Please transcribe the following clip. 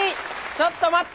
ちょっと待ってよ。